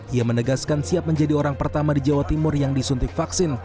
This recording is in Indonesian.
ia menegaskan siap menjadi orang pertama di jawa timur yang disuntik vaksin